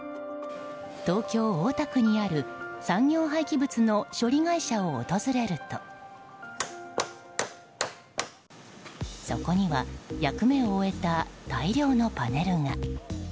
東京・大田区にある産業廃棄物の処理会社を訪れるとそこには役目を終えた大量のパネルが。